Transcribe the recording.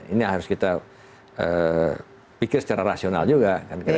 ini yang harus kita pikir secara rasional juga